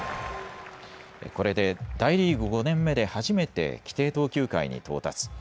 これで大リーグ５年目で初めて規定投球回に到達。